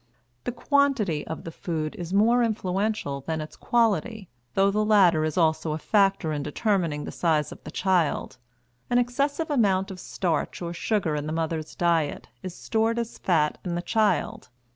The quantity of the food is more influential than its quality, though the latter is also a factor in determining the size of the child. An excessive amount of starch or sugar in the mother's diet is stored as fat in the child.